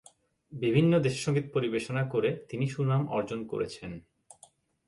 বিভিন্ন দেশে সঙ্গীত পরিবেশনা করে তিনি সুনাম অর্জন করেছেন।